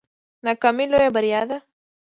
ناکامي لویه بریا ده